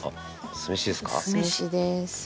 酢飯です。